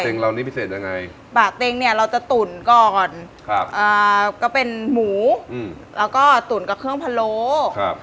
เรานี่พิเศษยังไงบะเต็งเนี่ยเราจะตุ๋นก่อนครับอ่าก็เป็นหมูอืมแล้วก็ตุ๋นกับเครื่องพะโลครับ